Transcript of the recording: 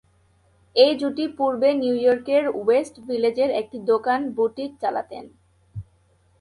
এই জুটি পূর্বে নিউ ইয়র্কের ওয়েস্ট ভিলেজের একটি দোকান বুটিক চালাতেন।